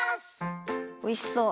おいしそう。